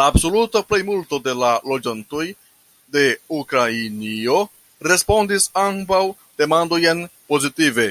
La absoluta plejmulto de la loĝantoj de Ukrainio respondis ambaŭ demandojn pozitive.